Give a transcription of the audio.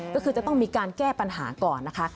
ก็คือจะต้องมีการแก้ปัญหาก่อนนะคะ